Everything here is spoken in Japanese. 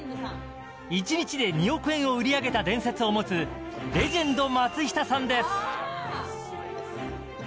１日で２億円を売り上げた伝説を持つレジェンド松下さんです。